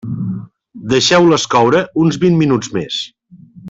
Deixeu-les coure uns vint minuts més.